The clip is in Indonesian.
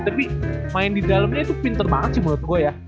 tapi main di dalamnya itu pinter banget sih menurut gue ya